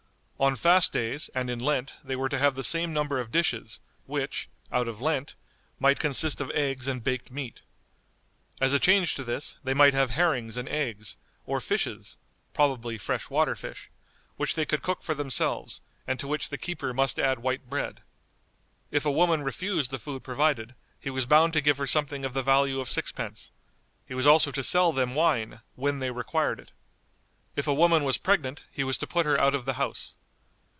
On fast days and in Lent they were to have the same number of dishes, which (out of Lent) might consist of eggs and baked meat. As a change to this, they might have herrings and eggs; or fishes (probably fresh water fish), which they could cook for themselves, and to which the keeper must add white bread. If a woman refused the food provided, he was bound to give her something of the value of sixpence; he was also to sell them wine "when they required it." If a woman was pregnant, he was to put her out of the house.